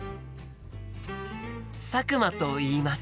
佐久間といいます。